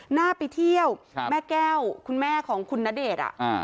หน้าไปเที่ยวครับแม่แก้วคุณแม่ของคุณณเดชน์อ่ะอ่า